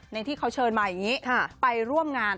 ที่เขาเชิญมาอย่างนี้ไปร่วมงาน